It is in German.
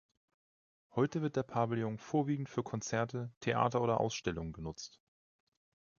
Heute wird der Pavillon vorwiegend für Konzerte, Theater oder Ausstellungen genutzt.